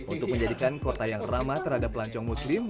untuk menjadikan kota yang ramah terhadap pelancong muslim